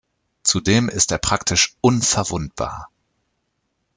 Zudem ist er praktisch unverwundbar.